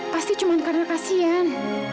pasti cuma karena kasihan